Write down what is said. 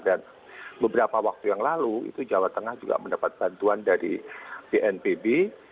dan beberapa waktu yang lalu itu jawa tengah juga mendapat bantuan dari bnpb